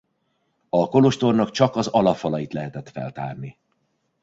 A kolostornak csak az alapfalait lehetett feltárni.